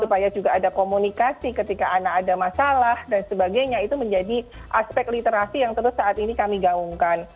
supaya juga ada komunikasi ketika anak ada masalah dan sebagainya itu menjadi aspek literasi yang terus saat ini kami gaungkan